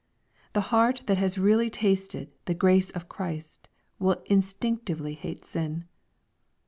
The heart that has really tasted the Grace j)f Christ, will instinctively hate sin.